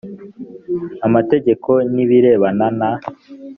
amategeko n ibirebana na